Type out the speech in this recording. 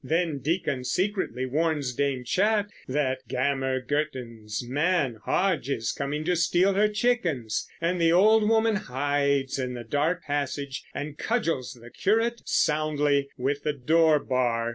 Then Diccon secretly warns Dame Chatte that Gammer Gurton's man Hodge is coming to steal her chickens; and the old woman hides in the dark passage and cudgels the curate soundly with the door bar.